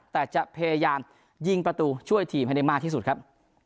แต่จะพยายามยิงประตูช่วยทีมให้ได้มากที่สุดครับ